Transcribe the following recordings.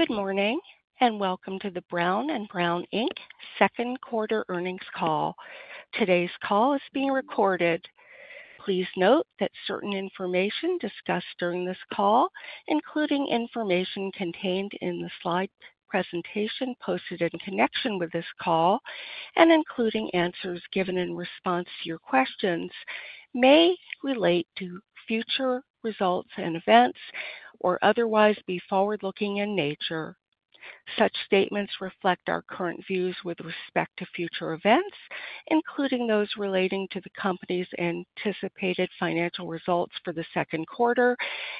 Good morning and welcome to the Brown & Brown Inc second quarter earnings call. Today's call is being recorded. Please note that certain information discussed during this call, including information contained in the slide presentation posted in connection with this call, and including answers given in response to your questions, may relate to future results and events or otherwise be forward-looking in nature. Such statements reflect our current views with respect to future events, including those relating to the company's anticipated financial results for the second quarter,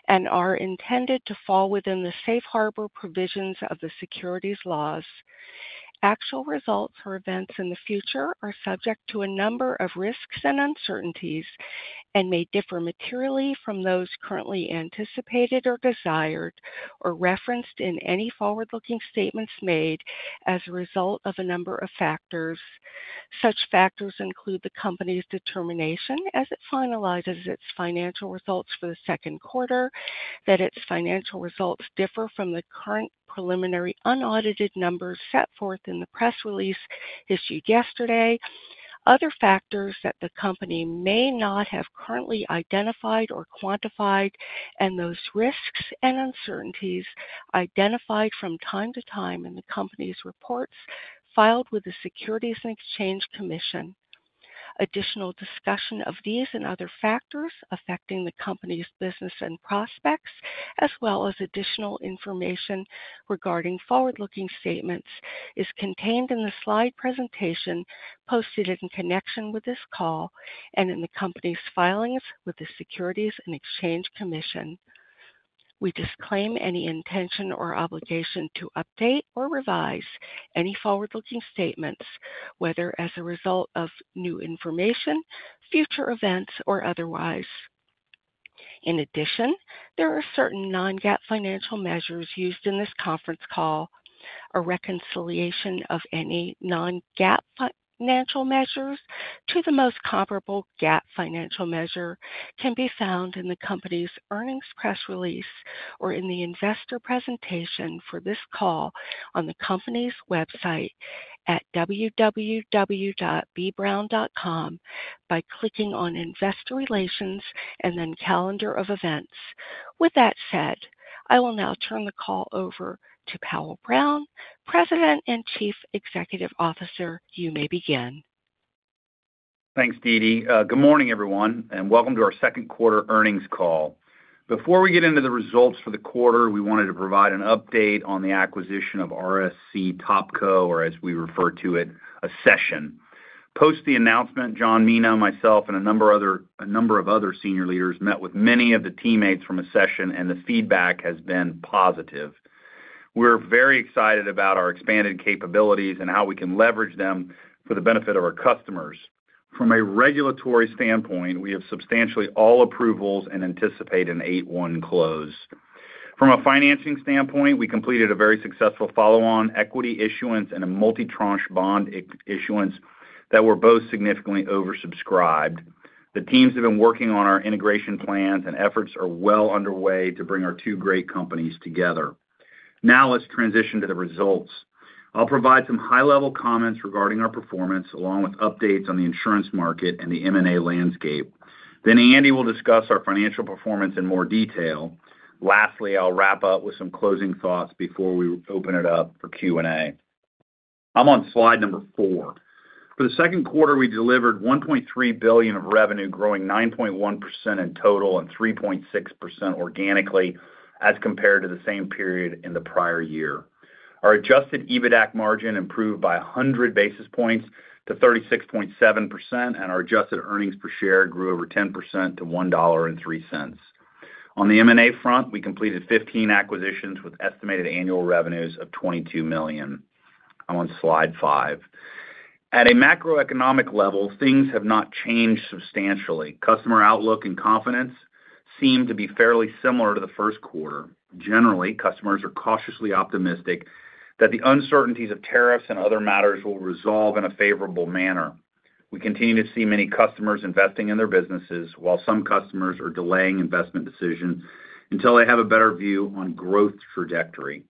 and are intended to fall within the safe harbor provisions of the securities laws. Actual results or events in the future are subject to a number of risks and uncertainties and may differ materially from those currently anticipated or desired or referenced in any forward-looking statements made as a result of a number of factors. Such factors include the company's determination, as it finalizes its financial results for the second quarter, that its financial results differ from the current preliminary unaudited numbers set forth in the press release issued yesterday, other factors that the company may not have currently identified or quantified, and those risks and uncertainties identified from time to time in the company's reports filed with the Securities and Exchange Commission. Additional discussion of these and other factors affecting the company's business and prospects, as well as additional information regarding forward-looking statements, is contained in the slide presentation posted in connection with this call and in the company's filings with the Securities and Exchange Commission. We disclaim any intention or obligation to update or revise any forward-looking statements, whether as a result of new information, future events, or otherwise. In addition, there are certain non-GAAP financial measures used in this conference call. A reconciliation of any non-GAAP financial measures to the most comparable GAAP financial measure can be found in the company's earnings press release or in the investor presentation for this call on the company's website at www.bbrown.com by clicking on Investor Relations and then Calendar of Events. With that said, I will now turn the call over to Powell Brown, President and Chief Executive Officer. You may begin. Thanks, Deedee. Good morning, everyone, and welcome to our second quarter earnings call. Before we get into the results for the quarter, we wanted to provide an update on the acquisition of RSC Topco, or as we refer to it, Accession. Post the announcement, John Mina, myself, and a number of other senior leaders met with many of the teammates from Accession, and the feedback has been positive. We're very excited about our expanded capabilities and how we can leverage them for the benefit of our customers. From a regulatory standpoint, we have substantially all approvals and anticipate an 8/1 close. From a financing standpoint, we completed a very successful follow-on equity issuance and a multi-tranche bond issuance that were both significantly oversubscribed. The teams have been working on our integration plans, and efforts are well underway to bring our two great companies together. Now let's transition to the results. I'll provide some high-level comments regarding our performance, along with updates on the insurance market and the M&A landscape. Then Andy will discuss our financial performance in more detail. Lastly, I'll wrap up with some closing thoughts before we open it up for Q&A. I'm on slide number four. For the second quarter, we delivered $1.3 billion of revenue, growing 9.1% in total and 3.6% organically as compared to the same period in the prior year. Our adjusted EBITDAC margin improved by 100 basis points to 36.7%, and our adjusted earnings per share grew over 10% to $1.03. On the M&A front, we completed 15 acquisitions with estimated annual revenues of $22 million. I'm on slide five. At a macroeconomic level, things have not changed substantially. Customer outlook and confidence seem to be fairly similar to the first quarter. Generally, customers are cautiously optimistic that the uncertainties of tariffs and other matters will resolve in a favorable manner. We continue to see many customers investing in their businesses, while some customers are delaying investment decisions until they have a better view on growth trajectory.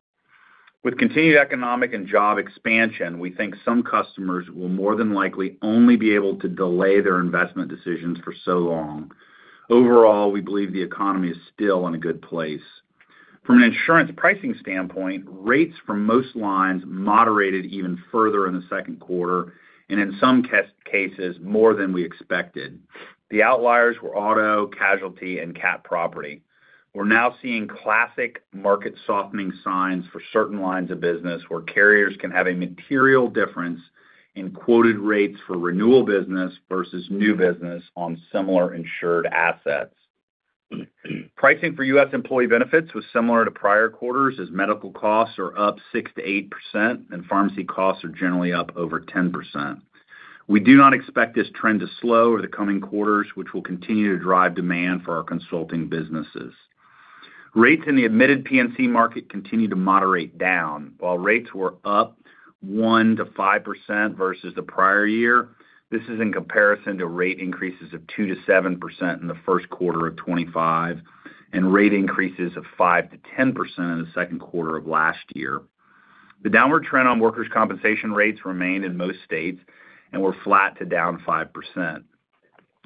With continued economic and job expansion, we think some customers will more than likely only be able to delay their investment decisions for so long. Overall, we believe the economy is still in a good place. From an insurance pricing standpoint, rates for most lines moderated even further in the second quarter, and in some cases, more than we expected. The outliers were auto, casualty, and cat property. We're now seeing classic market softening signs for certain lines of business where carriers can have a material difference in quoted rates for renewal business versus new business on similar insured assets. Pricing for U.S. employee benefits was similar to prior quarters, as medical costs are up 6%-8%, and pharmacy costs are generally up over 10%. We do not expect this trend to slow over the coming quarters, which will continue to drive demand for our consulting businesses. Rates in the admitted P&C market continue to moderate down. While rates were up 1%-5% versus the prior year, this is in comparison to rate increases of 2%-7% in the first quarter of 2025 and rate increases of 5%-10% in the second quarter of last year. The downward trend on workers' compensation rates remained in most states and were flat to down 5%.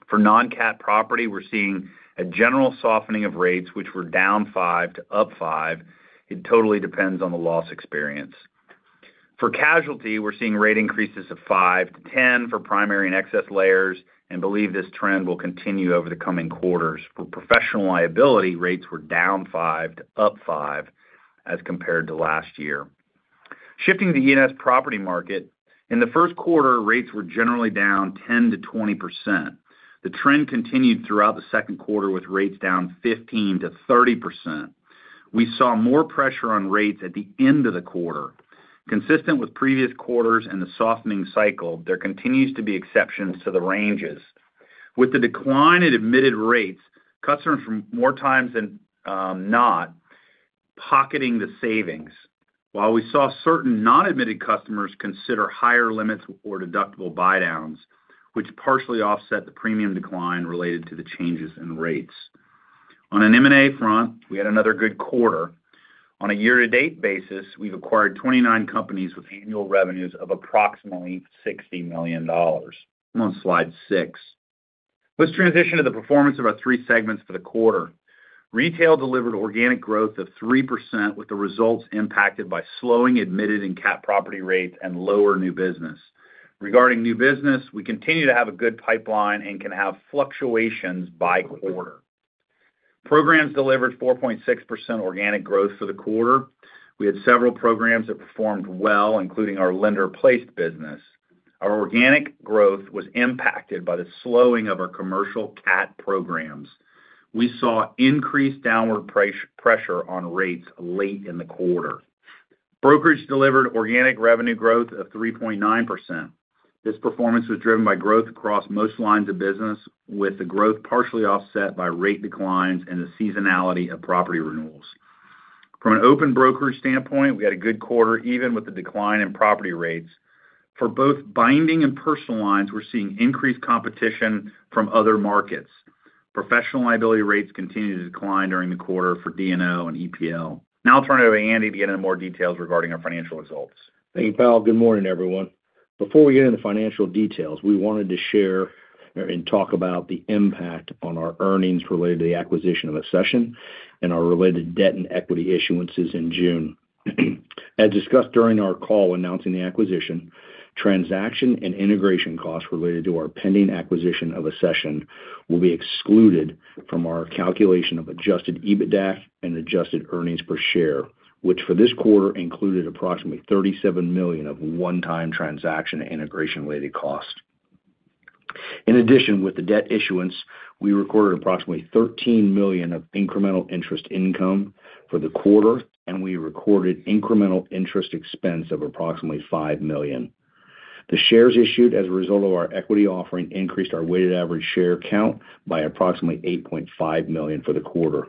For non-cap property, we're seeing a general softening of rates, which were down 5% to up 5%. It totally depends on the loss experience. For casualty, we're seeing rate increases of 5%-10% for primary and excess layers, and believe this trend will continue over the coming quarters. For professional liability, rates were down 5% to up 5% as compared to last year. Shifting to the U.S. property market, in the first quarter, rates were generally down 10%-20%. The trend continued throughout the second quarter, with rates down 15%-30%. We saw more pressure on rates at the end of the quarter. Consistent with previous quarters and the softening cycle, there continues to be exceptions to the ranges. With the decline in admitted rates, customers more times than not are pocketing the savings, while we saw certain non-admitted customers consider higher limits or deductible buy-downs, which partially offset the premium decline related to the changes in rates. On an M&A front, we had another good quarter. On a year-to-date basis, we've acquired 29 companies with annual revenues of approximately $60 million. I'm on slide six. Let's transition to the performance of our three segments for the quarter. Retail delivered organic growth of 3%, with the results impacted by slowing admitted and cap property rates and lower new business. Regarding new business, we continue to have a good pipeline and can have fluctuations by quarter. Programs delivered 4.6% organic growth for the quarter. We had several programs that performed well, including our lender-placed business. Our organic growth was impacted by the slowing of our commercial cat programs. We saw increased downward pressure on rates late in the quarter. Brokerage delivered organic revenue growth of 3.9%. This performance was driven by growth across most lines of business, with the growth partially offset by rate declines and the seasonality of property renewals. From an open brokerage standpoint, we had a good quarter, even with the decline in property rates. For both binding and personal lines, we're seeing increased competition from other markets. Professional liability rates continue to decline during the quarter for D&O and EPL. Now I'll turn it over to Andy to get into more details regarding our financial results. Thank you, Powell. Good morning, everyone. Before we get into financial details, we wanted to share. And talk about the impact on our earnings related to the acquisition of Accession and our related debt and equity issuances in June. As discussed during our call announcing the acquisition, transaction and integration costs related to our pending acquisition of Accession will be excluded from our calculation of adjusted EBITDA and adjusted earnings per share, which for this quarter included approximately $37 million of one-time transaction integration-related costs. In addition, with the debt issuance, we recorded approximately $13 million of incremental interest income for the quarter, and we recorded incremental interest expense of approximately $5 million. The shares issued as a result of our equity offering increased our weighted average share count by approximately 8.5 million for the quarter.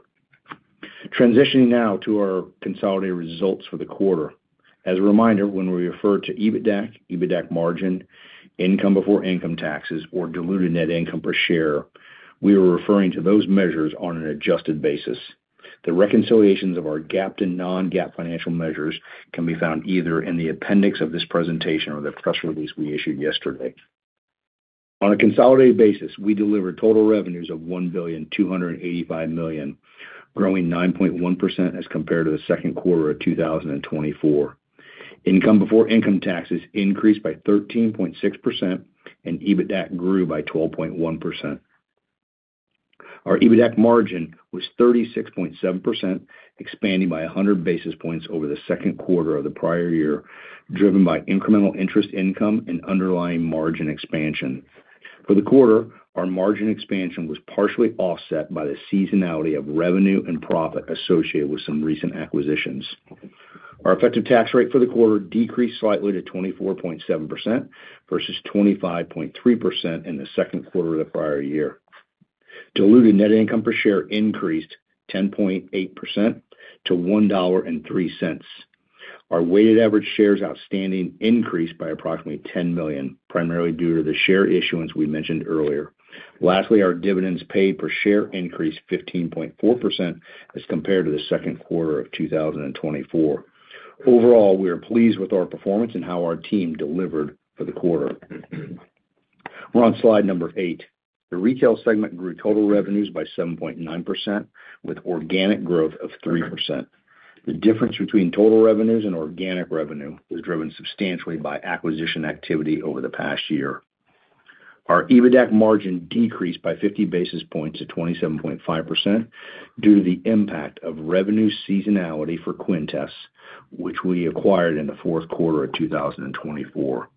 Transitioning now to our consolidated results for the quarter. As a reminder, when we refer to EBITDAC, EBITDAC margin, income before income taxes, or diluted net income per share, we are referring to those measures on an adjusted basis. The reconciliations of our GAAP to non-GAAP financial measures can be found either in the appendix of this presentation or the press release we issued yesterday. On a consolidated basis, we delivered total revenues of $1,285,000,000, growing 9.1% as compared to the second quarter of 2024. Income before income taxes increased by 13.6%, and EBITDAC grew by 12.1%. Our EBITDAC margin was 36.7%, expanding by 100 basis points over the second quarter of the prior year, driven by incremental interest income and underlying margin expansion. For the quarter, our margin expansion was partially offset by the seasonality of revenue and profit associated with some recent acquisitions. Our effective tax rate for the quarter decreased slightly to 24.7% versus 25.3% in the second quarter of the prior year. Diluted net income per share increased 10.8% to $1.03. Our weighted average shares outstanding increased by approximately 10 million, primarily due to the share issuance we mentioned earlier. Lastly, our dividends paid per share increased 15.4% as compared to the second quarter of 2024. Overall, we are pleased with our performance and how our team delivered for the quarter. We're on slide number eight. The retail segment grew total revenues by 7.9%, with organic growth of 3%. The difference between total revenues and organic revenue was driven substantially by acquisition activity over the past year. Our EBITDAC margin decreased by 50 basis points to 27.5% due to the impact of revenue seasonality for Quintes, which we acquired in the fourth quarter of 2024.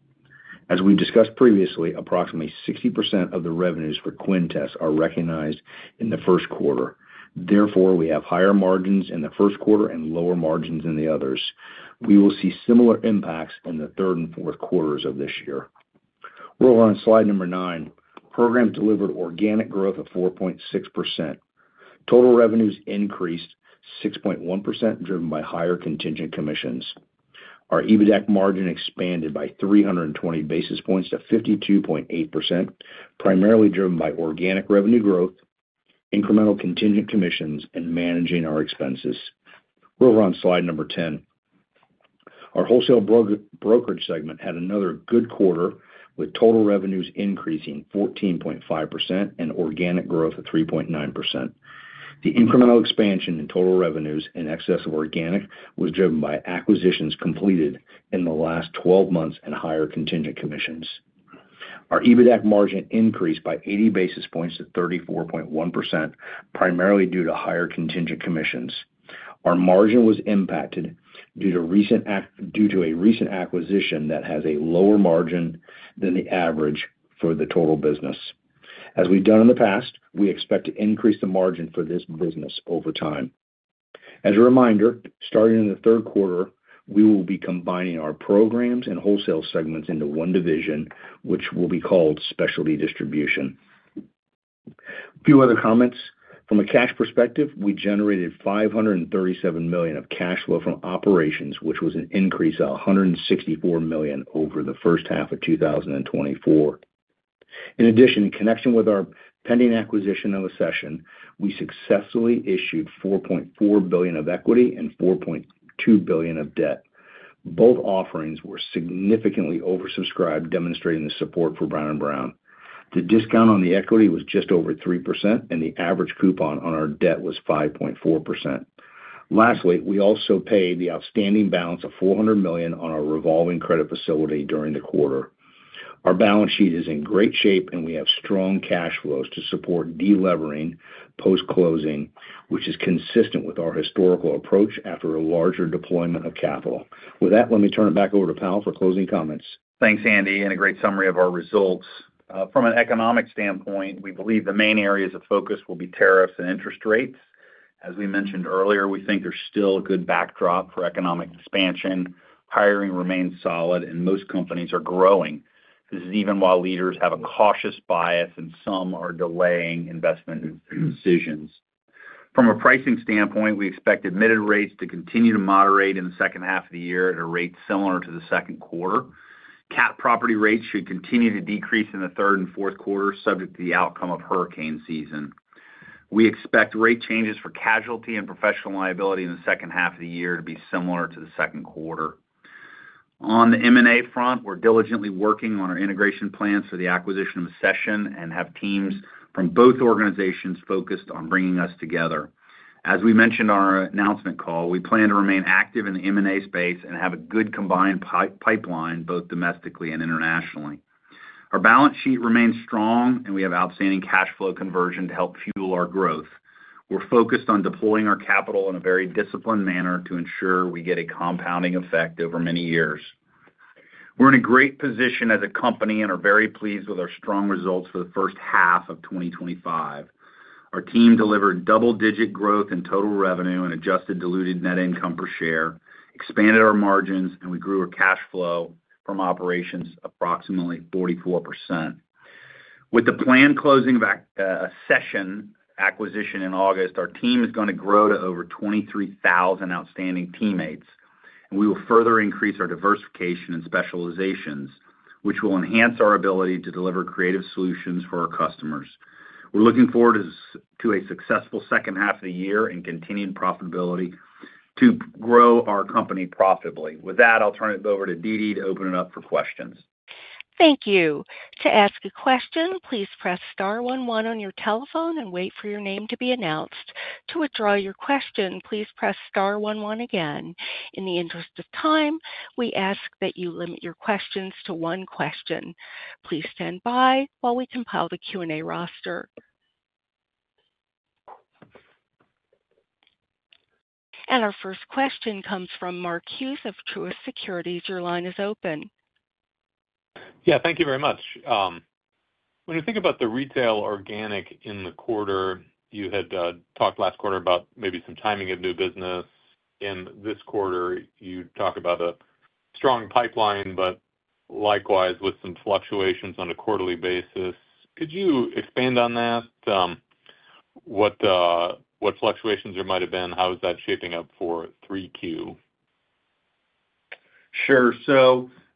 As we discussed previously, approximately 60% of the revenues for Quintes are recognized in the first quarter. Therefore, we have higher margins in the first quarter and lower margins in the others. We will see similar impacts in the third and fourth quarters of this year. We're on slide number nine. Programs delivered organic growth of 4.6%. Total revenues increased 6.1%, driven by higher contingent commissions. Our EBITDAC margin expanded by 320 basis points to 52.8%, primarily driven by organic revenue growth, incremental contingent commissions, and managing our expenses. We're on slide number ten. Our wholesale brokerage segment had another good quarter, with total revenues increasing 14.5% and organic growth of 3.9%. The incremental expansion in total revenues and excess of organic was driven by acquisitions completed in the last 12 months and higher contingent commissions. Our EBITDAC margin increased by 80 basis points to 34.1%, primarily due to higher contingent commissions. Our margin was impacted due to a recent acquisition that has a lower margin than the average for the total business. As we've done in the past, we expect to increase the margin for this business over time. As a reminder, starting in the third quarter, we will be combining our programs and wholesale segments into one division, which will be called Specialty Distribution. A few other comments. From a cash perspective, we generated $537 million of cash flow from operations, which was an increase of $164 million over the first half of 2024. In addition, in connection with our pending acquisition of Accession, we successfully issued $4.4 billion of equity and $4.2 billion of debt. Both offerings were significantly oversubscribed, demonstrating the support for Brown & Brown. The discount on the equity was just over 3%, and the average coupon on our debt was 5.4%. Lastly, we also paid the outstanding balance of $400 million on our revolving credit facility during the quarter. Our balance sheet is in great shape, and we have strong cash flows to support deleveraging post-closing, which is consistent with our historical approach after a larger deployment of capital. With that, let me turn it back over to Powell for closing comments. Thanks, Andy. A great summary of our results. From an economic standpoint, we believe the main areas of focus will be tariffs and interest rates. As we mentioned earlier, we think there's still a good backdrop for economic expansion. Hiring remains solid, and most companies are growing. This is even while leaders have a cautious bias, and some are delaying investment decisions. From a pricing standpoint, we expect admitted rates to continue to moderate in the second half of the year at a rate similar to the second quarter. Cat property rates should continue to decrease in the third and fourth quarter, subject to the outcome of hurricane season. We expect rate changes for casualty and professional liability in the second half of the year to be similar to the second quarter. On the M&A front, we're diligently working on our integration plans for the acquisition of Accession and have teams from both organizations focused on bringing us together. As we mentioned on our announcement call, we plan to remain active in the M&A space and have a good combined pipeline, both domestically and internationally. Our balance sheet remains strong, and we have outstanding cash flow conversion to help fuel our growth. We're focused on deploying our capital in a very disciplined manner to ensure we get a compounding effect over many years. We're in a great position as a company and are very pleased with our strong results for the first half of 2025. Our team delivered double-digit growth in total revenue and adjusted diluted net income per share, expanded our margins, and we grew our cash flow from operations approximately 44%. With the planned closing of Accession acquisition in August, our team is going to grow to over 23,000 outstanding teammates, and we will further increase our diversification and specializations, which will enhance our ability to deliver creative solutions for our customers. We're looking forward to a successful second half of the year and continued profitability to grow our company profitably. With that, I'll turn it over to Deedee to open it up for questions. Thank you. To ask a question, please press star one one on your telephone and wait for your name to be announced. To withdraw your question, please press star one one again. In the interest of time, we ask that you limit your questions to one question. Please stand by while we compile the Q&A roster. Our first question comes from Mark Hughes of Truist Securities. Your line is open. Yeah, thank you very much. When you think about the retail organic in the quarter, you had talked last quarter about maybe some timing of new business. In this quarter, you talk about a strong pipeline, but likewise with some fluctuations on a quarterly basis. Could you expand on that? What fluctuations there might have been? How is that shaping up for 3Q? Sure.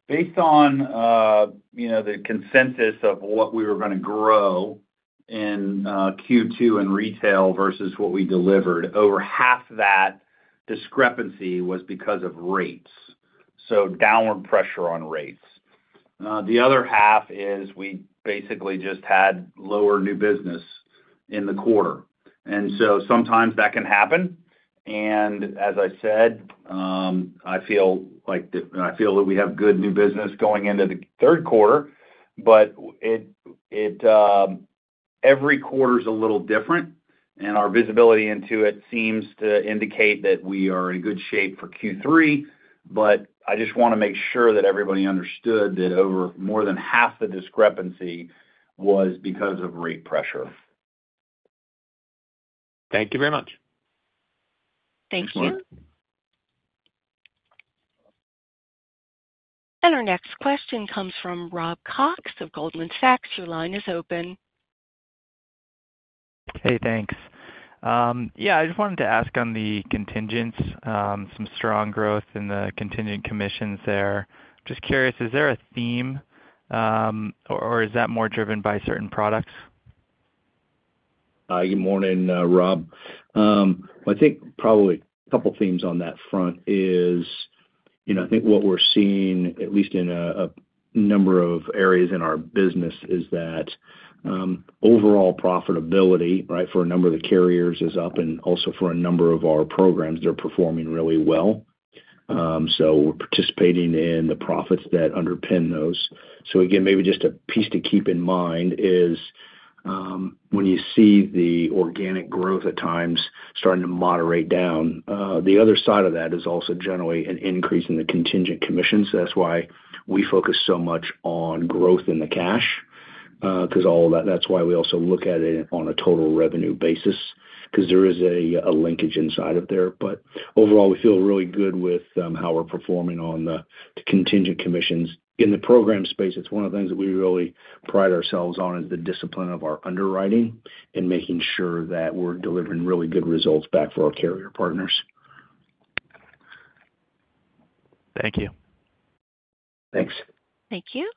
Based on the consensus of what we were going to grow in Q2 in retail versus what we delivered, over half of that discrepancy was because of rates, so downward pressure on rates. The other half is we basically just had lower new business in the quarter. Sometimes that can happen. As I said, I feel that we have good new business going into the third quarter, but every quarter is a little different, and our visibility into it seems to indicate that we are in good shape for Q3. I just want to make sure that everybody understood that more than half the discrepancy was because of rate pressure. Thank you very much. Thank you. Our next question comes from Rob Cox of Goldman Sachs. Your line is open. Hey, thanks. Yeah, I just wanted to ask on the contingents, some strong growth in the contingent commissions there. Just curious, is there a theme? Or is that more driven by certain products? Good morning, Rob. I think probably a couple of themes on that front is, I think what we're seeing, at least in a number of areas in our business, is that overall profitability, right, for a number of the carriers is up, and also for a number of our programs, they're performing really well. We are participating in the profits that underpin those. Again, maybe just a piece to keep in mind is, when you see the organic growth at times starting to moderate down, the other side of that is also generally an increase in the contingent commissions. That is why we focus so much on growth in the cash. All of that, that is why we also look at it on a total revenue basis, because there is a linkage inside of there. Overall, we feel really good with how we're performing on the contingent commissions. In the program space, one of the things that we really pride ourselves on is the discipline of our underwriting and making sure that we're delivering really good results back for our carrier partners. Thank you. Thanks. Thank you.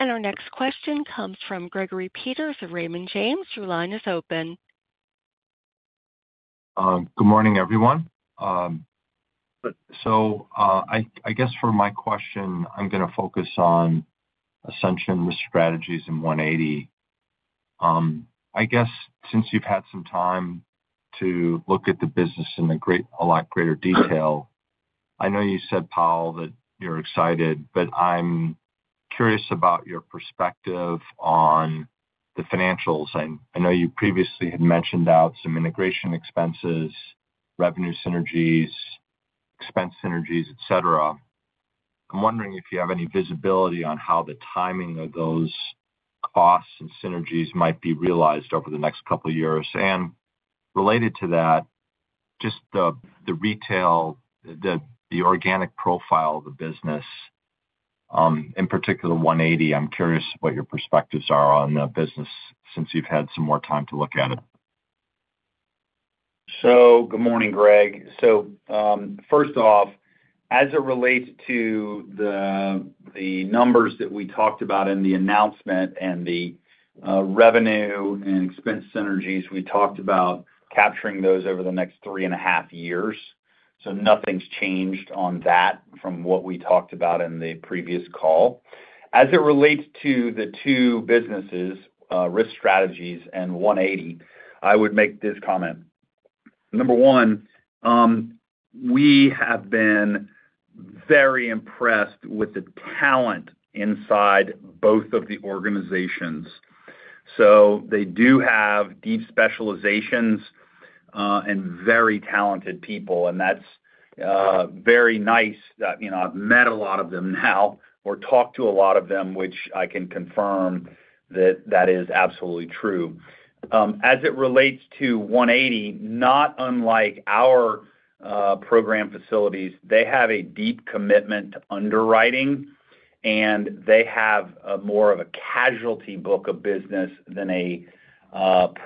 Our next question comes from Gregory Peters of Raymond James. Your line is open. Good morning, everyone. I guess for my question, I'm going to focus on Accession, Risk Strategies and 180. I guess since you've had some time to look at the business in a lot greater detail, I know you said, Powell, that you're excited, but I'm curious about your perspective on the financials. I know you previously had mentioned out some integration expenses, revenue synergies, expense synergies, etc. I'm wondering if you have any visibility on how the timing of those costs and synergies might be realized over the next couple of years. Related to that, just the retail, the organic profile of the business, in particular, 180, I'm curious what your perspectives are on the business since you've had some more time to look at it. Good morning, Greg. First off, as it relates to the numbers that we talked about in the announcement and the revenue and expense synergies, we talked about capturing those over the next three and a half years. Nothing's changed on that from what we talked about in the previous call. As it relates to the two businesses, Risk Strategies and 180, I would make this comment. Number one, we have been very impressed with the talent inside both of the organizations. They do have deep specializations and very talented people, and that's very nice that I've met a lot of them now or talked to a lot of them, which I can confirm that is absolutely true. As it relates to 180, not unlike our program facilities, they have a deep commitment to underwriting, and they have more of a casualty book of business than a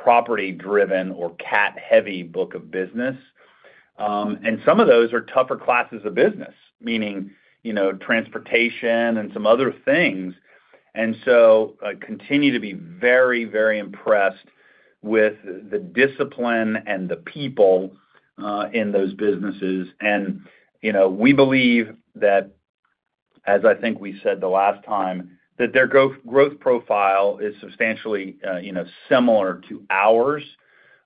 property-driven or cat-heavy book of business. Some of those are tougher classes of business, meaning transportation and some other things. I continue to be very, very impressed with the discipline and the people in those businesses. We believe that, as I think we said the last time, their growth profile is substantially similar to ours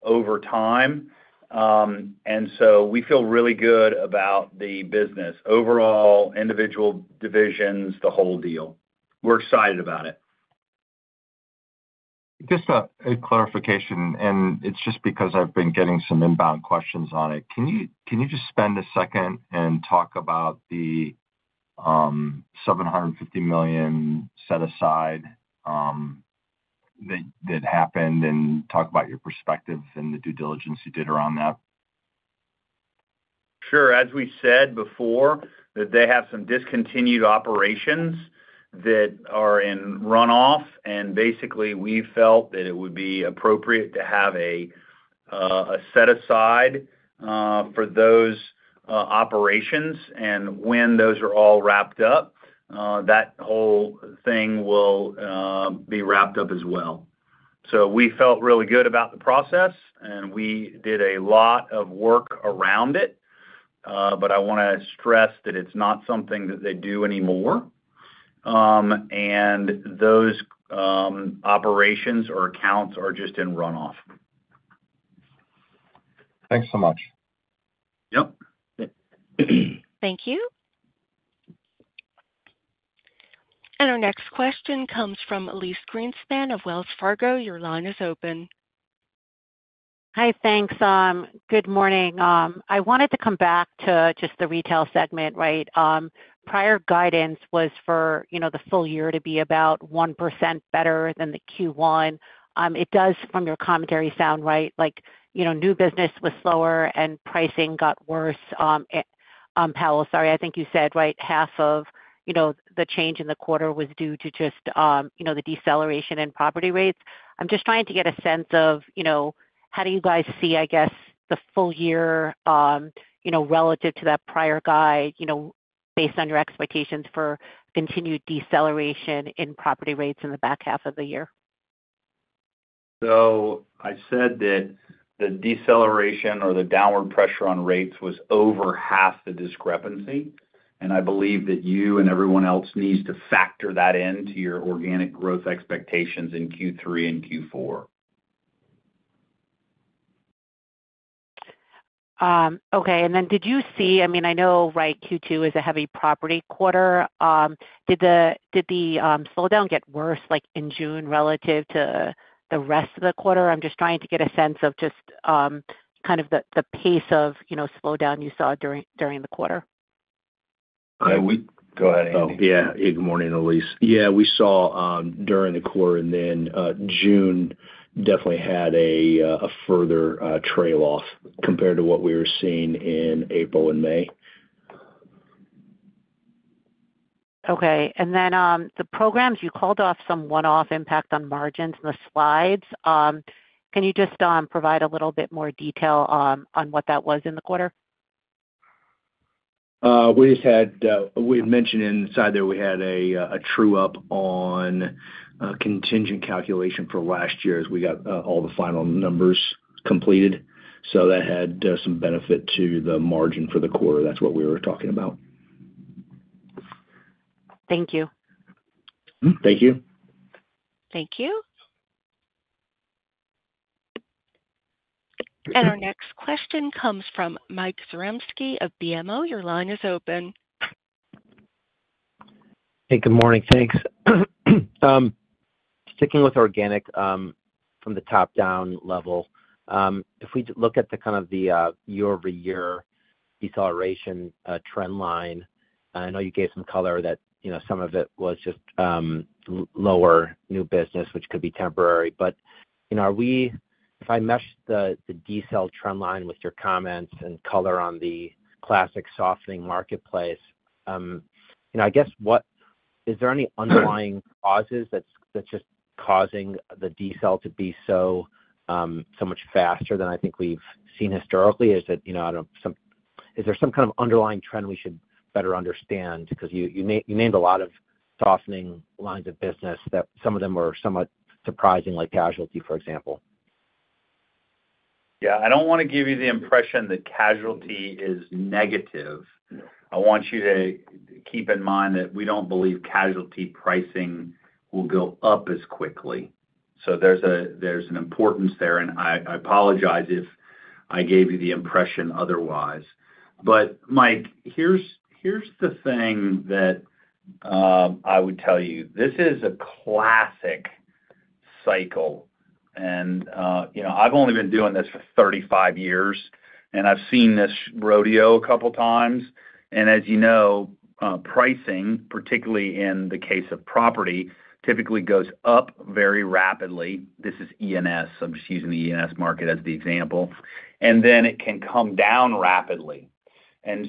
over time. We feel really good about the business overall, individual divisions, the whole deal. We're excited about it. Just a clarification, and it's just because I've been getting some inbound questions on it. Can you just spend a second and talk about the $750 million set aside that happened and talk about your perspective and the due diligence you did around that? Sure. As we said before, they have some discontinued operations that are in runoff. Basically, we felt that it would be appropriate to have a set aside for those operations. When those are all wrapped up, that whole thing will be wrapped up as well. We felt really good about the process, and we did a lot of work around it. I want to stress that it's not something that they do anymore. Those operations or accounts are just in runoff. Thanks so much. Yep. Thank you. Our next question comes from Elyse Greenspan of Wells Fargo. Your line is open. Hi, thanks. Good morning. I wanted to come back to just the retail segment, right? Prior guidance was for the full year to be about 1% better than the Q1. It does, from your commentary, sound right. New business was slower and pricing got worse. Powell, sorry, I think you said, right, half of the change in the quarter was due to just the deceleration in property rates. I'm just trying to get a sense of how do you guys see, I guess, the full year relative to that prior guide, based on your expectations for continued deceleration in property rates in the back half of the year? I said that the deceleration or the downward pressure on rates was over half the discrepancy. I believe that you and everyone else needs to factor that into your organic growth expectations in Q3 and Q4. Okay. Did you see, I mean, I know, right, Q2 is a heavy property quarter. Did the slowdown get worse in June relative to the rest of the quarter? I'm just trying to get a sense of just kind of the pace of slowdown you saw during the quarter. Go ahead. Yeah. Good morning, Elyse. Yeah, we saw during the quarter and then June definitely had a further trail off compared to what we were seeing in April and May. Okay. The programs, you called off some one-off impact on margins in the slides. Can you just provide a little bit more detail on what that was in the quarter? We just had, we had mentioned inside there we had a true-up on contingent calculation for last year as we got all the final numbers completed. That had some benefit to the margin for the quarter. That's what we were talking about. Thank you. Thank you. Our next question comes from Mike Zaremski of BMO. Your line is open. Hey, good morning. Thanks. Sticking with organic from the top-down level, if we look at the kind of the year-over-year deceleration trend line, I know you gave some color that some of it was just lower new business, which could be temporary. If I mesh the decel trend line with your comments and color on the classic softening marketplace, I guess. Is there any underlying causes that's just causing the decel to be so much faster than I think we've seen historically? Is there some kind of underlying trend we should better understand? Because you named a lot of softening lines of business that some of them were somewhat surprising, like casualty, for example. Yeah. I don't want to give you the impression that casualty is negative. I want you to keep in mind that we don't believe casualty pricing will go up as quickly. So there's an importance there. I apologize if I gave you the impression otherwise. Mike, here's the thing that I would tell you. This is a classic cycle. I've only been doing this for 35 years, and I've seen this rodeo a couple of times. As you know, pricing, particularly in the case of property, typically goes up very rapidly. This is E&S. I'm just using the E&S market as the example. Then it can come down rapidly.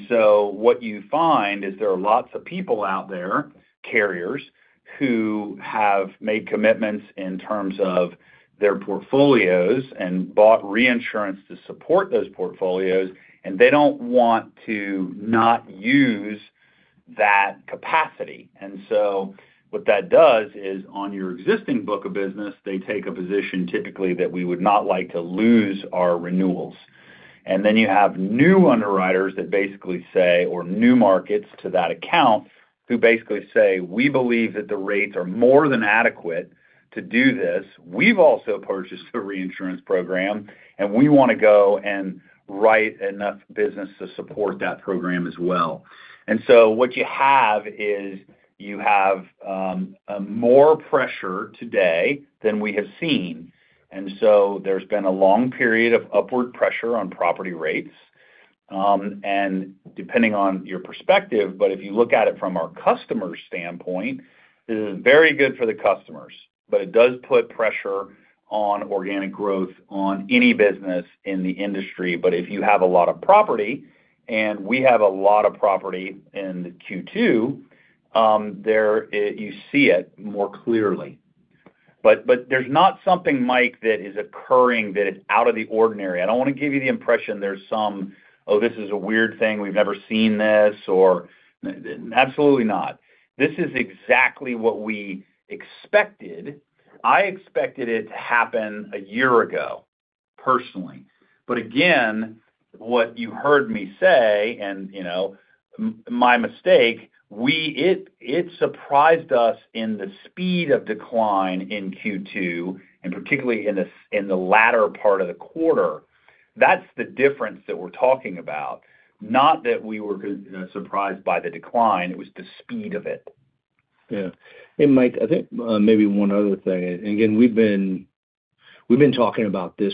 What you find is there are lots of people out there, carriers, who have made commitments in terms of their portfolios and bought reinsurance to support those portfolios, and they don't want to not use that capacity. What that does is on your existing book of business, they take a position typically that we would not like to lose our renewals. Then you have new underwriters that basically say, or new markets to that account, who basically say, "We believe that the rates are more than adequate to do this. We've also purchased a reinsurance program, and we want to go and write enough business to support that program as well." What you have is you have more pressure today than we have seen. There's been a long period of upward pressure on property rates. Depending on your perspective, if you look at it from our customer standpoint, this is very good for the customers, but it does put pressure on organic growth on any business in the industry. If you have a lot of property, and we have a lot of property in Q2, you see it more clearly. There's not something, Mike, that is occurring that is out of the ordinary. I don't want to give you the impression there's some, "Oh, this is a weird thing. We've never seen this," or. Absolutely not. This is exactly what we expected. I expected it to happen a year ago, personally. Again, what you heard me say, and my mistake, it surprised us in the speed of decline in Q2, and particularly in the latter part of the quarter. That's the difference that we're talking about. Not that we were surprised by the decline. It was the speed of it. Yeah. Mike, I think maybe one other thing. Again, we've been talking about this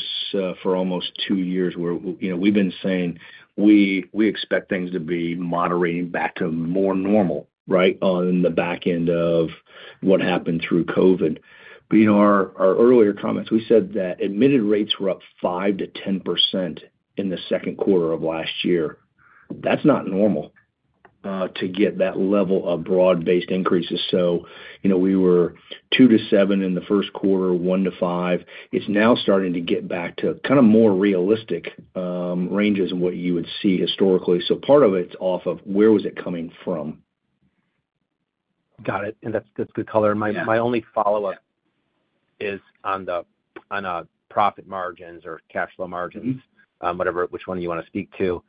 for almost two years where we've been saying we expect things to be moderating back to more normal, right, on the back end of what happened through COVID. Our earlier comments, we said that admitted rates were up 5%-10% in the second quarter of last year. That's not normal to get that level of broad-based increases. We were 2%-7% in the first quarter, 1%-5%. It's now starting to get back to kind of more realistic ranges than what you would see historically. Part of it's off of where was it coming from? Got it. That's good color. My only follow-up is on profit margins or cash flow margins, which one you want to speak to.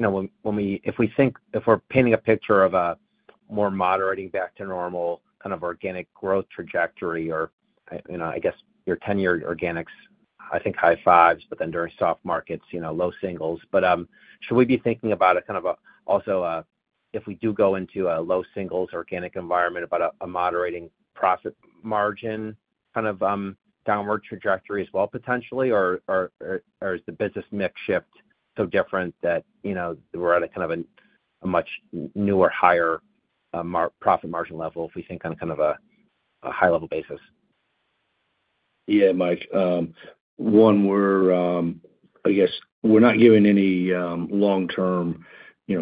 If we think, if we're painting a picture of a more moderating back to normal kind of organic growth trajectory, or I guess your 10-year organics, I think high fives, but then during soft markets, low singles. Should we be thinking about a kind of also if we do go into a low singles organic environment, about a moderating profit margin kind of downward trajectory as well potentially, or is the business mix shift so different that we're at a kind of a much newer, higher profit margin level if we think on kind of a high-level basis? Yeah, Mike. One, I guess we're not giving any long-term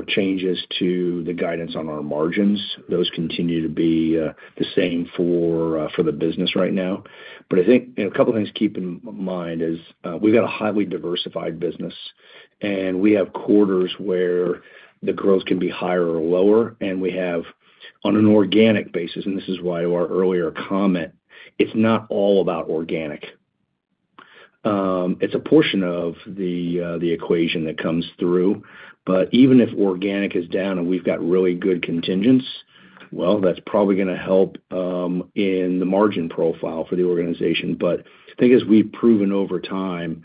changes to the guidance on our margins. Those continue to be the same for the business right now. I think a couple of things to keep in mind is we've got a highly diversified business. We have quarters where the growth can be higher or lower. We have, on an organic basis, and this is why our earlier comment, it's not all about organic. It's a portion of the equation that comes through. Even if organic is down and we've got really good contingents, well, that's probably going to help in the margin profile for the organization. The thing is we've proven over time,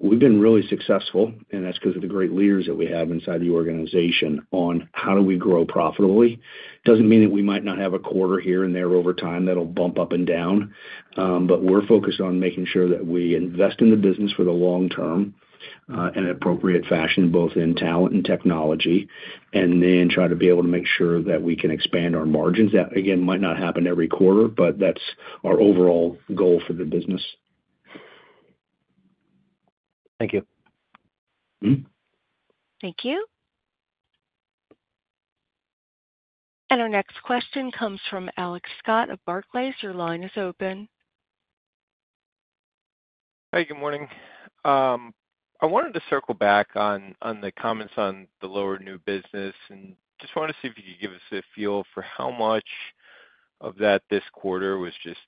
we've been really successful, and that's because of the great leaders that we have inside the organization on how do we grow profitably. It doesn't mean that we might not have a quarter here and there over time that'll bump up and down. We're focused on making sure that we invest in the business for the long term in an appropriate fashion, both in talent and technology, and then try to be able to make sure that we can expand our margins. That, again, might not happen every quarter, but that's our overall goal for the business. Thank you. Thank you. Our next question comes from Alex Scott of Barclays. Your line is open. Hi, good morning. I wanted to circle back on the comments on the lower new business and just wanted to see if you could give us a feel for how much of that this quarter was just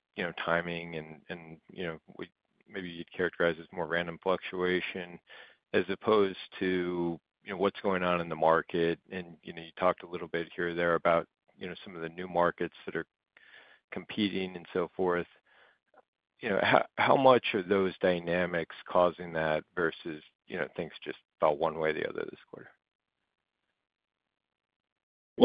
timing and maybe you'd characterize as more random fluctuation as opposed to what's going on in the market. You talked a little bit here or there about some of the new markets that are competing and so forth. How much are those dynamics causing that versus things just fell one way or the other this quarter?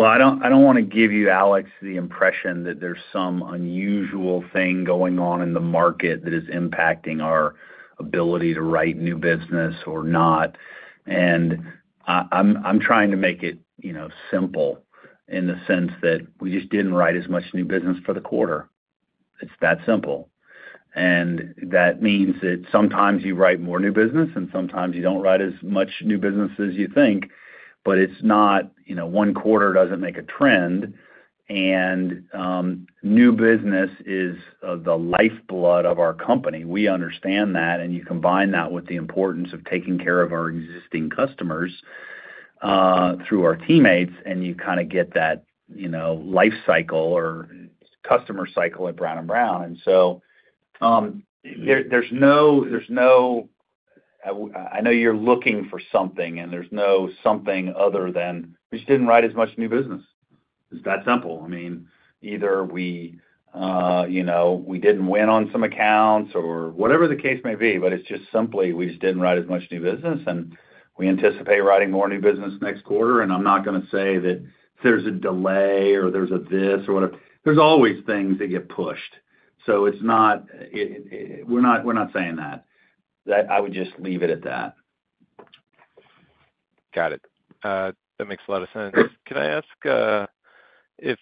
I do not want to give you, Alex, the impression that there is some unusual thing going on in the market that is impacting our ability to write new business or not. I am trying to make it simple in the sense that we just did not write as much new business for the quarter. It is that simple. That means that sometimes you write more new business and sometimes you do not write as much new business as you think. One quarter does not make a trend. New business is the lifeblood of our company. We understand that. You combine that with the importance of taking care of our existing customers through our teammates, and you kind of get that life cycle or customer cycle at Brown & Brown. There is no—I know you are looking for something, and there is no something other than we just did not write as much new business. It is that simple. I mean, either we did not win on some accounts or whatever the case may be, but it is just simply we just did not write as much new business. We anticipate writing more new business next quarter. I am not going to say that there is a delay or there is a this or whatever. There are always things that get pushed. We are not saying that. I would just leave it at that. Got it. That makes a lot of sense. Can I ask, if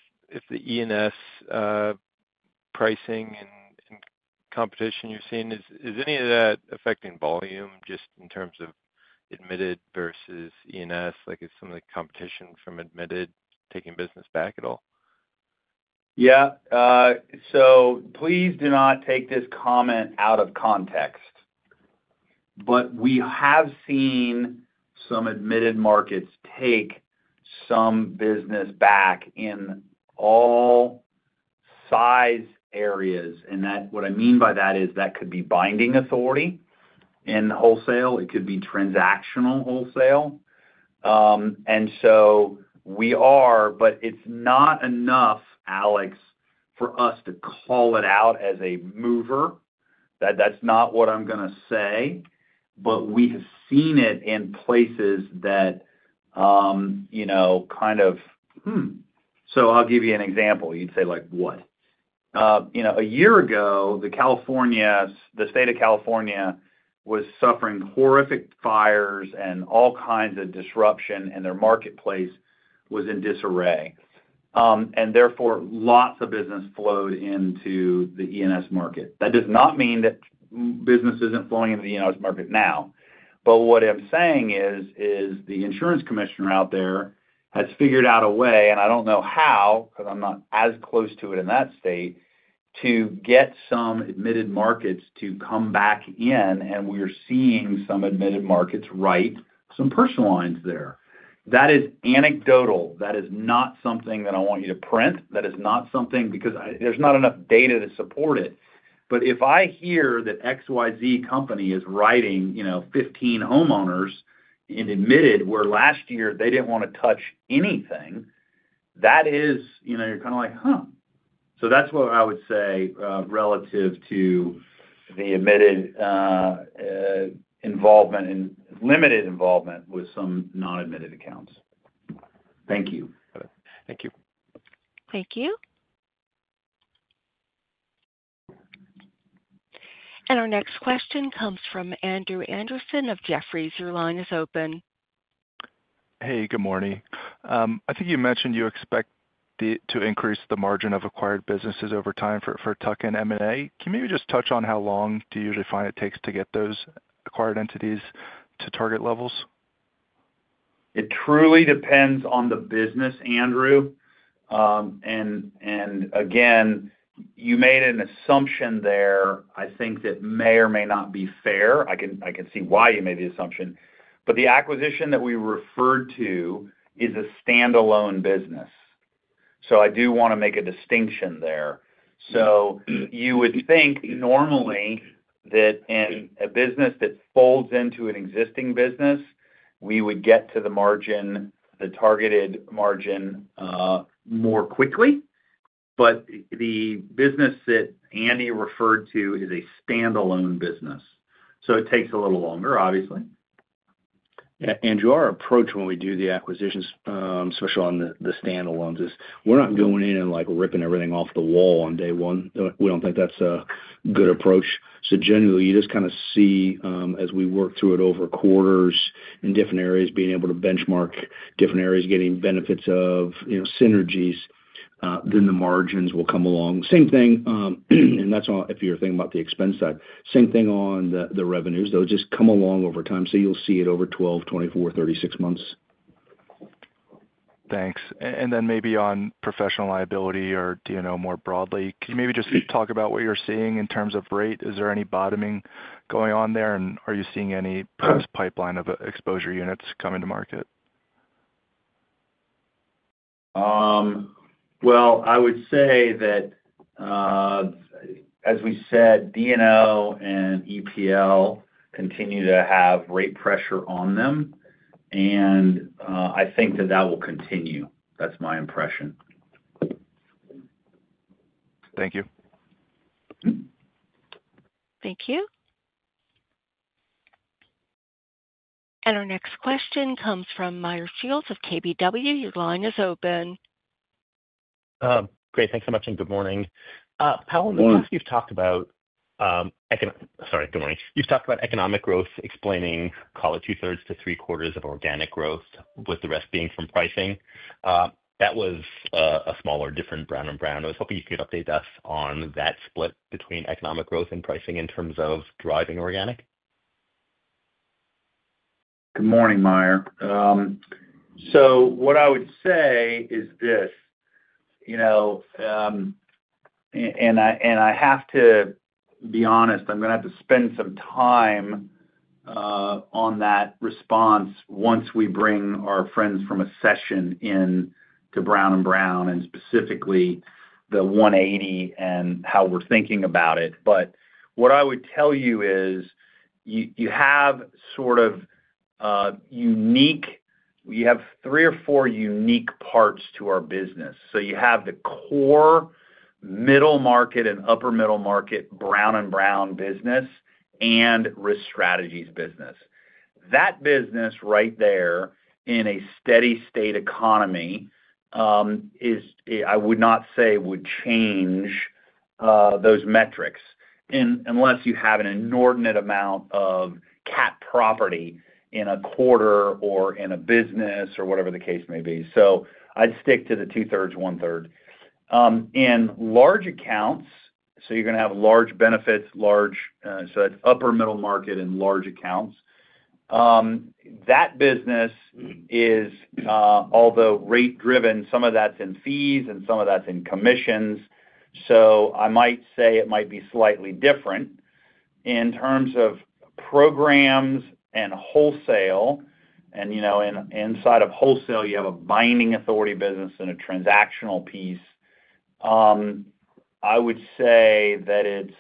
the E&S pricing and competition you're seeing, is any of that affecting volume just in terms of admitted versus E&S? Is some of the competition from admitted taking business back at all? Yeah. Please do not take this comment out of context. We have seen some admitted markets take some business back in. All size areas. What I mean by that is that could be binding authority in wholesale. It could be transactional wholesale. We are, but it's not enough, Alex, for us to call it out as a mover. That's not what I'm going to say. We have seen it in places that kind of—so I'll give you an example. You'd say like, "What?" A year ago, the state of California was suffering horrific fires and all kinds of disruption, and their marketplace was in disarray. Therefore, lots of business flowed into the E&S market. That does not mean that business isn't flowing into the E&S market now. What I'm saying is the insurance commissioner out there has figured out a way, and I don't know how because I'm not as close to it in that state, to get some admitted markets to come back in. We're seeing some admitted markets write some personal lines there. That is anecdotal. That is not something that I want you to print. That is not something because there's not enough data to support it. If I hear that XYZ company is writing 15 homeowners and admitted where last year they didn't want to touch anything, that is, you're kind of like, "Huh." That's what I would say relative to the admitted involvement and limited involvement with some non-admitted accounts. Thank you. Thank you. Thank you. Our next question comes from Andrew Andersen of Jefferies. Your line is open. Hey, good morning. I think you mentioned you expect to increase the margin of acquired businesses over time for tuck-in M&A. Can you maybe just touch on how long do you usually find it takes to get those acquired entities to target levels? It truly depends on the business, Andrew. Again, you made an assumption there. I think that may or may not be fair. I can see why you made the assumption. The acquisition that we referred to is a standalone business. I do want to make a distinction there. You would think normally that in a business that folds into an existing business, we would get to the targeted margin more quickly. The business that Andy referred to is a standalone business, so it takes a little longer, obviously. Yeah. Andrew, our approach when we do the acquisitions, especially on the standalones, is we're not going in and ripping everything off the wall on day one. We don't think that's a good approach. Generally, you just kind of see as we work through it over quarters in different areas, being able to benchmark different areas, getting benefits of synergies, then the margins will come along. Same thing if you're thinking about the expense side. Same thing on the revenues. They'll just come along over time. You'll see it over 12, 24, 36 months. Thanks. Maybe on professional liability or D&O more broadly, can you maybe just talk about what you're seeing in terms of rate? Is there any bottoming going on there? Are you seeing any pipeline of exposure units come into market? I would say that, as we said, D&O and EPL continue to have rate pressure on them. I think that that will continue. That's my impression. Thank you. Thank you. Our next question comes from Meyer Shields of KBW. Your line is open. Great. Thanks so much and good morning. Powell, I think you've talked about, sorry, good morning. You've talked about economic growth explaining, call it, 2/3 to 3/4 of organic growth, with the rest being from pricing. That was a smaller, different Brown & Brown. I was hoping you could update us on that split between economic growth and pricing in terms of driving organic. Good morning, Meyer. What I would say is this. I have to be honest, I'm going to have to spend some time on that response once we bring our friends from Accession into Brown & Brown and specifically the 180 and how we're thinking about it. What I would tell you is you have sort of unique, you have three or four unique parts to our business. You have the core middle market and upper middle market Brown & Brown business and Risk Strategies business. That business right there in a steady-state economy, I would not say would change those metrics unless you have an inordinate amount of cat property in a quarter or in a business or whatever the case may be. I'd stick to the two-thirds, one-third. In large accounts, you're going to have large benefits, so that's upper middle market and large accounts. That business is, although rate-driven, some of that's in fees and some of that's in commissions. I might say it might be slightly different. In terms of programs and wholesale, and inside of wholesale, you have a binding authority business and a transactional piece. I would say that it's,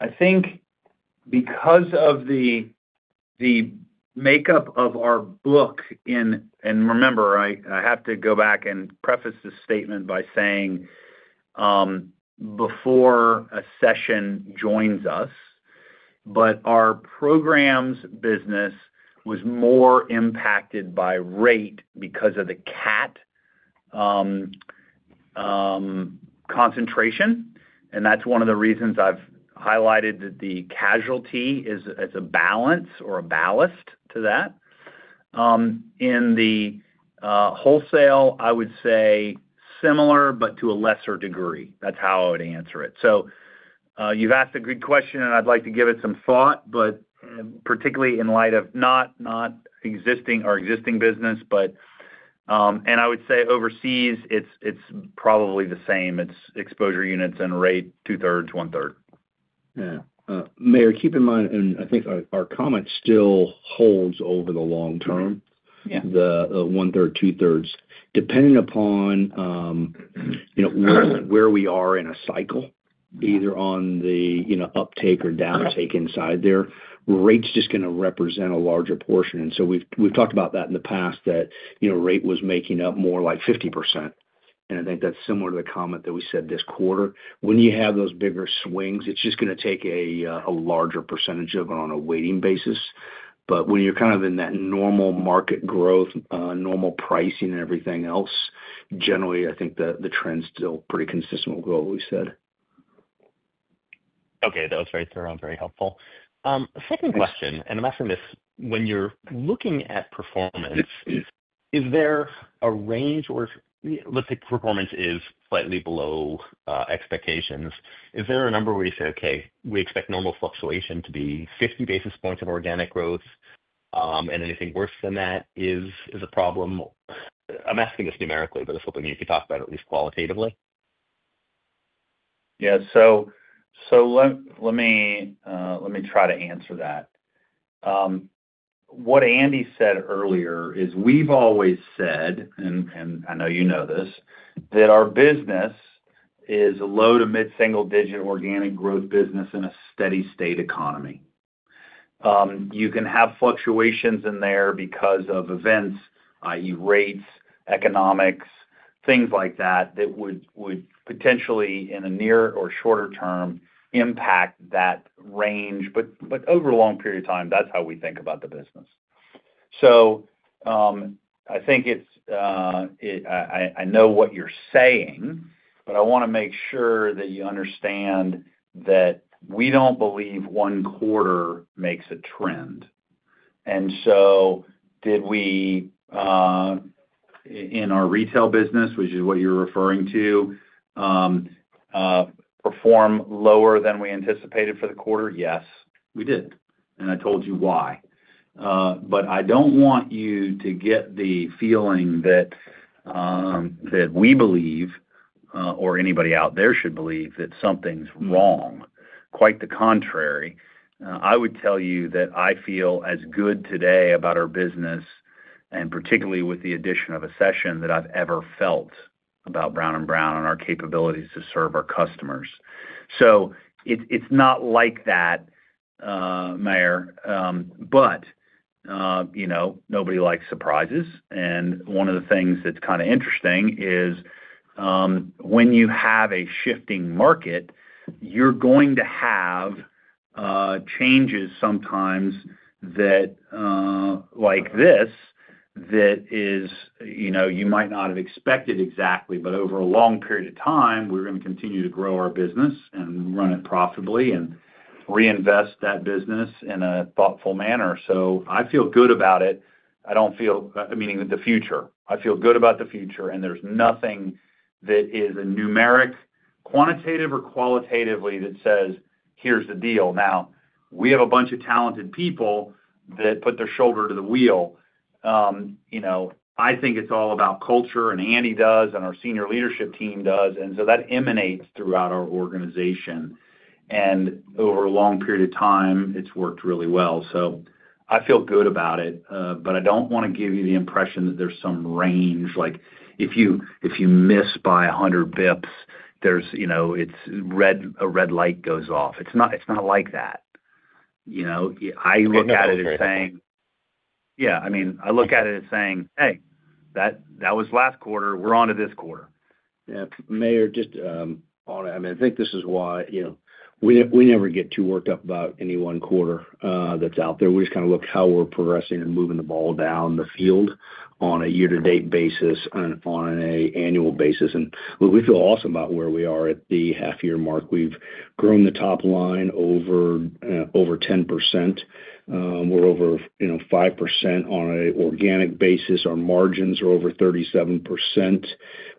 I think, because of the makeup of our book in, and remember, I have to go back and preface this statement by saying before Accession joins us, but our programs business was more impacted by rate because of the cat concentration. That's one of the reasons I've highlighted that the casualty is a balance or a ballast to that. In the wholesale, I would say similar, but to a lesser degree. That's how I would answer it. You've asked a good question, and I'd like to give it some thought, particularly in light of not existing or existing business, but I would say overseas, it's probably the same. It's exposure units and rate, 2/3, 1/3. Yeah. Meyer, keep in mind, and I think our comment still holds over the long term. The 1/3, 2/3. Depending upon where we are in a cycle, either on the uptake or downtake inside there, rate's just going to represent a larger portion. We've talked about that in the past, that rate was making up more like 50%. I think that's similar to the comment that we said this quarter. When you have those bigger swings, it's just going to take a larger percentage of it on a weighting basis. When you're kind of in that normal market growth, normal pricing, and everything else, generally, I think the trend's still pretty consistent with what we said. Okay. That was very thorough and very helpful. Second question, and I'm asking this when you're looking at performance. Is there a range or let's say performance is slightly below expectations. Is there a number where you say, "Okay, we expect normal fluctuation to be 50 basis points of organic growth. And anything worse than that is a problem"? I'm asking this numerically, but I was hoping you could talk about it at least qualitatively. Yeah. So let me try to answer that. What Andy said earlier is we've always said, and I know you know this, that our business is a low to mid-single-digit organic growth business in a steady-state economy. You can have fluctuations in there because of events, i.e., rates, economics, things like that that would potentially, in a near or shorter term, impact that range. Over a long period of time, that's how we think about the business. I think it's—I know what you're saying, but I want to make sure that you understand that we don't believe one quarter makes a trend. Did we, in our retail business, which is what you're referring to, perform lower than we anticipated for the quarter? Yes, we did. I told you why. I don't want you to get the feeling that we believe or anybody out there should believe that something's wrong. Quite the contrary. I would tell you that I feel as good today about our business, and particularly with the addition of Accession, that I've ever felt about Brown & Brown and our capabilities to serve our customers. It's not like that, Meyer. Nobody likes surprises. One of the things that's kind of interesting is when you have a shifting market, you're going to have changes sometimes like this that you might not have expected exactly, but over a long period of time, we're going to continue to grow our business and run it profitably and reinvest that business in a thoughtful manner. I feel good about it. I don't feel—meaning the future—I feel good about the future. There's nothing that is numeric, quantitative, or qualitative that says, "Here's the deal." We have a bunch of talented people that put their shoulder to the wheel. I think it's all about culture, and Andy does, and our senior leadership team does. That emanates throughout our organization. Over a long period of time, it's worked really well. I feel good about it. I don't want to give you the impression that there's some range. If you miss by 100 bps, it's a red light goes off. It's not like that. I look at it as saying. Yeah. I mean, I look at it as saying, "Hey, that was last quarter. We're on to this quarter. Yeah. Meyer, just. I mean, I think this is why. We never get too worked up about any one quarter that's out there. We just kind of look at how we're progressing and moving the ball down the field on a year-to-date basis and on an annual basis. We feel awesome about where we are at the half-year mark. We've grown the top line over 10%. We're over 5% on an organic basis. Our margins are over 37%.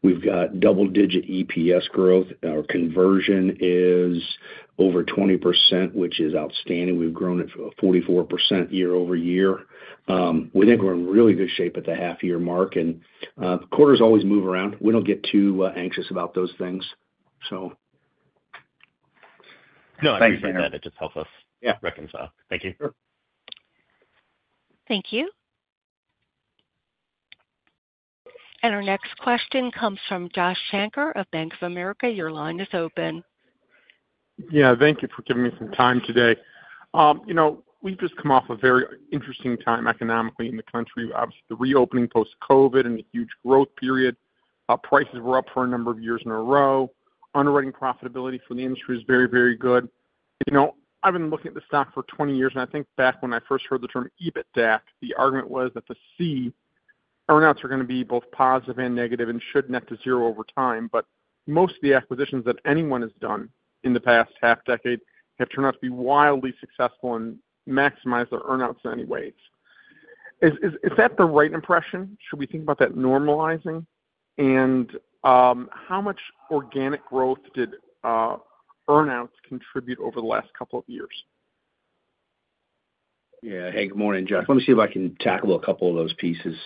We've got double-digit EPS growth. Our conversion is over 20%, which is outstanding. We've grown at 44% year-over-year. We think we're in really good shape at the half-year mark. Quarters always move around. We don't get too anxious about those things, so. No, I think you said that. It just helps us reconcile. Thank you. Thank you. Our next question comes from Josh Shanker of Bank of America. Your line is open. Yeah. Thank you for giving me sometime today. We've just come off a very interesting time economically in the country. Obviously, the reopening post-COVID and the huge growth period. Prices were up for a number of years in a row. Underwriting profitability for the industry is very, very good. I've been looking at the stock for 20 years. I think back when I first heard the term EBITDAC, the argument was that the C earnings are going to be both positive and negative and should net to zero over time. Most of the acquisitions that anyone has done in the past half-decade have turned out to be wildly successful and maximize their earnings in any ways. Is that the right impression? Should we think about that normalizing? How much organic growth did earnings contribute over the last couple of years? Yeah. Hey, good morning, Josh. Let me see if I can tackle a couple of those pieces.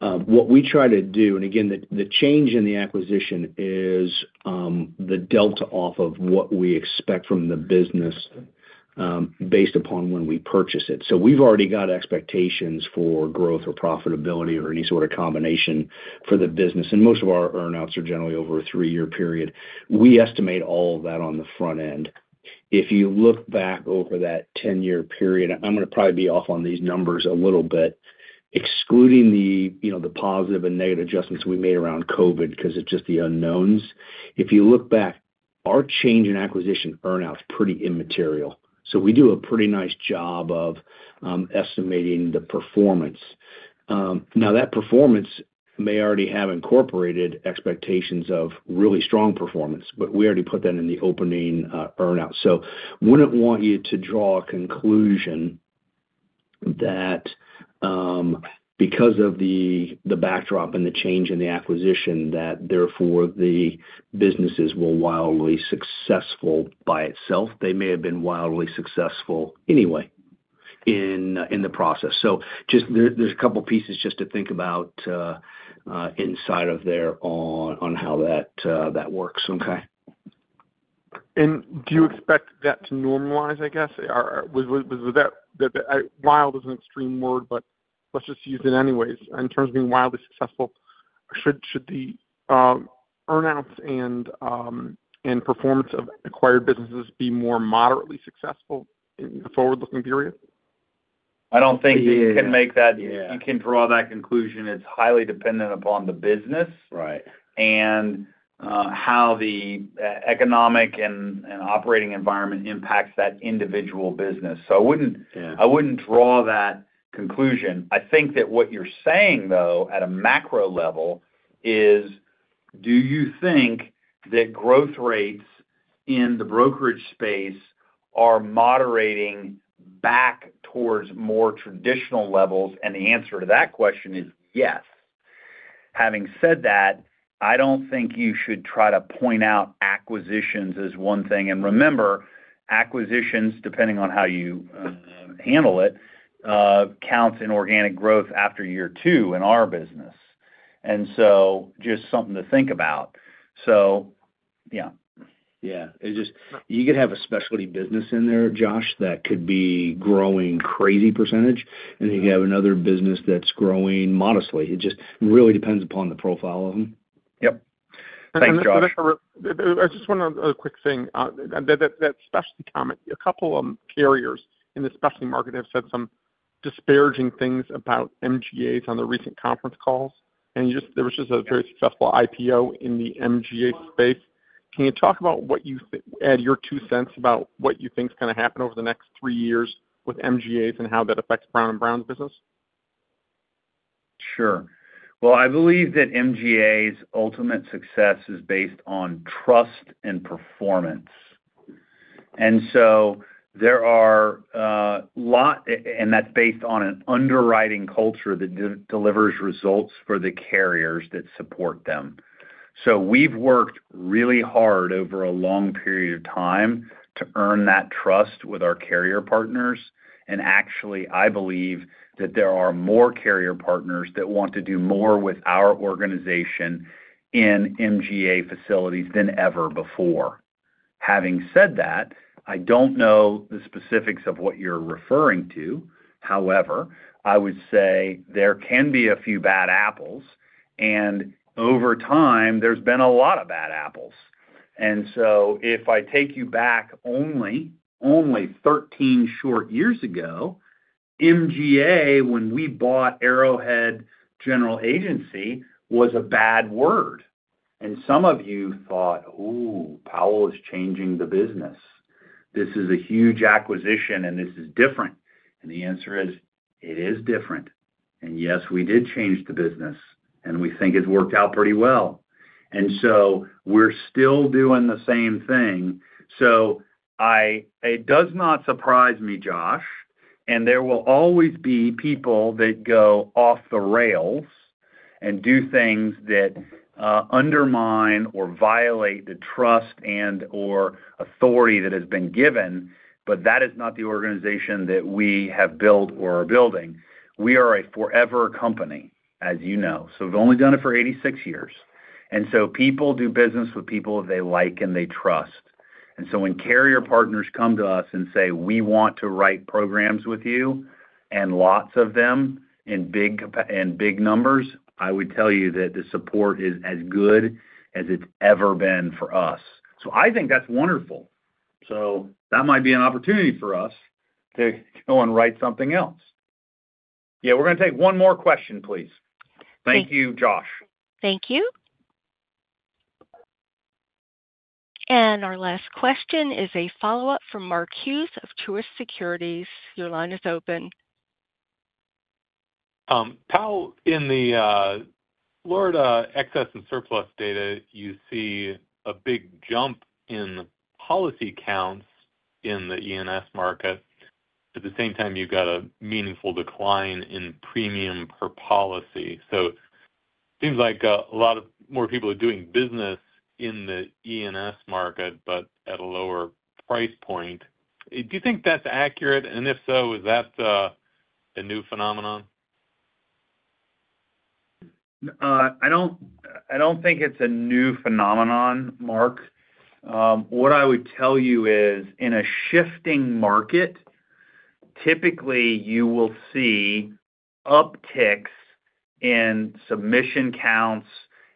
What we try to do, and again, the change in the acquisition is the delta off of what we expect from the business based upon when we purchase it. We have already got expectations for growth or profitability or any sort of combination for the business. Most of our earn-outs are generally over a three-year period. We estimate all of that on the front end. If you look back over that 10-year period, I'm going to probably be off on these numbers a little bit, excluding the positive and negative adjustments we made around COVID because it's just the unknowns. If you look back, our change in acquisition ea-outs is pretty immaterial. We do a pretty nice job of estimating the performance. Now, that performance may already have incorporated expectations of really strong performance, but we already put that in the opening earn-outs. I would not want you to draw a conclusion that, because of the backdrop and the change in the acquisition, therefore the businesses were wildly successful by itself. They may have been wildly successful anyway in the process. There are a couple of pieces just to think about inside of there on how that works, okay? Do you expect that to normalize, I guess? Was that—wild is an extreme word, but let's just use it anyways. In terms of being wildly successful, should the earnings and performance of acquired businesses be more moderately successful in the forward-looking period? I don't think you can make that, you can draw that conclusion. It's highly dependent upon the business. And how the economic and operating environment impacts that individual business. I wouldn't draw that conclusion. I think that what you're saying, though, at a macro level is, do you think that growth rates in the brokerage space are moderating back towards more traditional levels? The answer to that question is yes. Having said that, I don't think you should try to point out acquisitions as one thing. Remember, acquisitions, depending on how you handle it, count in organic growth after year two in our business. Just something to think about. Yeah, you could have a specialty business in there, Josh, that could be growing crazy percentage, and then you have another business that's growing modestly. It just really depends upon the profile of them. I just want to add a quick thing. That specialty comment, a couple of carriers in the specialty market have said some disparaging things about MGAs on the recent conference calls. There was just a very successful IPO in the MGA space. Can you talk about, add your two cents about what you think is going to happen over the next three years with MGAs and how that affects Brown & Brown's business? Sure. I believe that MGA's ultimate success is based on trust and performance. There are a lot, and that's based on an underwriting culture that delivers results for the carriers that support them. We have worked really hard over a long period of time to earn that trust with our carrier partners. Actually, I believe that there are more carrier partners that want to do more with our organization in MGA facilities than ever before. Having said that, I do not know the specifics of what you are referring to. However, I would say there can be a few bad apples. Over time, there have been a lot of bad apples. If I take you back only 13 short years ago, MGA, when we bought Arrowhead General Agency, was a bad word. Some of you thought, "Oh, Powell is changing the business. This is a huge acquisition, and this is different." The answer is it is different. Yes, we did change the business, and we think it has worked out pretty well. We are still doing the same thing. It does not surprise me, Josh. There will always be people that go off the rails and do things that undermine or violate the trust and/or authority that has been given. That is not the organization that we have built or are building. We are a forever company, as you know. We have only done it for 86 years. People do business with people they like and they trust. When carrier partners come to us and say, "We want to write programs with you," and lots of them in big numbers, I would tell you that the support is as good as it has ever been for us. I think that is wonderful. That might be an opportunity for us to go and write something else. Yeah. We are going to take one more question, please. Thank you, Josh. Thank you. Our last question is a follow-up from Mark Hughes of Truist Securities. Your line is open. In the Florida excess and surplus data, you see a big jump in policy counts in the E&S market. At the same time, you've got a meaningful decline in premium per policy. It seems like a lot more people are doing business in the E&S market, but at a lower price point. Do you think that's accurate? If so, is that a new phenomenon? I don't think it's a new phenomenon, Mark. What I would tell you is, in a shifting market, typically, you will see upticks in submission counts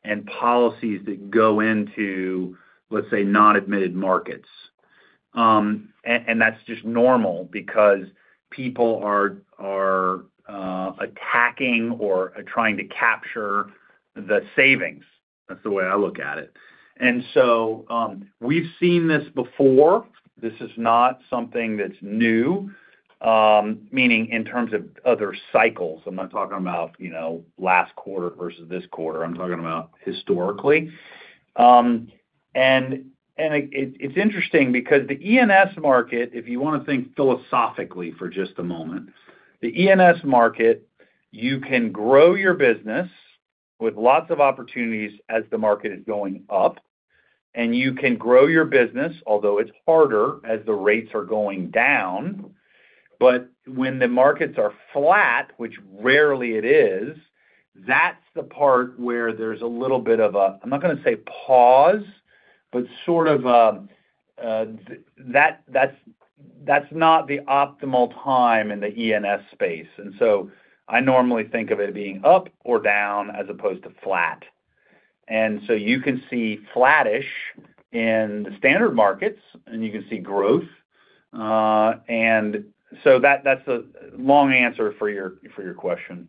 and policies that go into, let's say, non-admitted markets. That's just normal because people are attacking or trying to capture the savings. That's the way I look at it. We've seen this before. This is not something that's new, meaning in terms of other cycles. I'm not talking about last quarter versus this quarter. I'm talking about historically. It's interesting because the E&S market, if you want to think philosophically for just a moment, the E&S market, you can grow your business with lots of opportunities as the market is going up. You can grow your business, although it's harder as the rates are going down. When the markets are flat, which rarely it is, that's the part where there's a little bit of a—I'm not going to say pause, but sort of a, that's not the optimal time in the E&S space. I normally think of it being up or down as opposed to flat. You can see flattish in the standard markets, and you can see growth. That's the long answer for your question.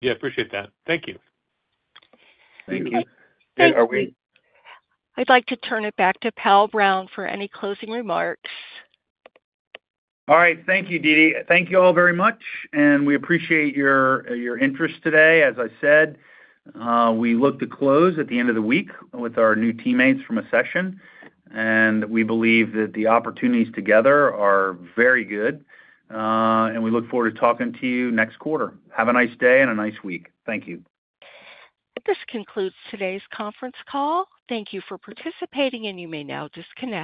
Yeah. I appreciate that. Thank you. Thank you. I'd like to turn it back to Powell Brown for any closing remarks. All right. Thank you, Deedee. Thank you all very much. We appreciate your interest today. As I said, we look to close at the end of the week with our new teammates from Accession. We believe that the opportunities together are very good. We look forward to talking to you next quarter. Have a nice day and a nice week. Thank you. This concludes today's conference call. Thank you for participating, and you may now disconnect.